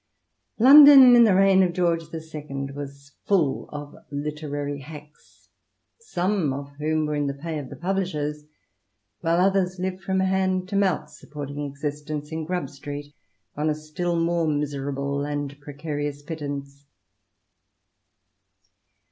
London, in the reign of George the Second, was full of literary hacks, some of whom were in the pay of the poUishers, whilst others lived from hand to mouth supporting xii INTRODUCTION. existence in Grub Street on a still more miserable anc/ precarious pittance.